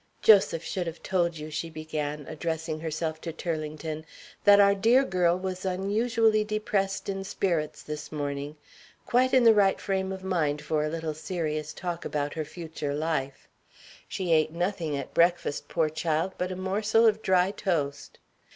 "Joseph should have told you," she began, addressing herself to Turlington, "that our dear girl was unusually depressed in spirits this morning. Quite in the right frame of mind for a little serious talk about her future life. She ate nothing at breakfast, poor child, but a morsel of dry toast."